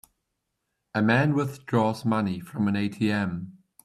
A man withdraws money from an ATM.